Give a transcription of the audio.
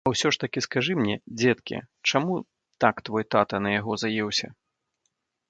А ўсё ж такі, скажы мне, дзеткі, чаму так твой тата на яго заеўся?